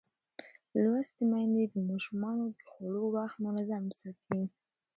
لوستې میندې د ماشومانو د خوړو وخت منظم ساتي.